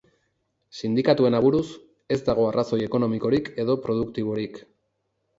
Sindikatuen aburuz, ez dago arrazoi ekonomikorik edo produktiborik.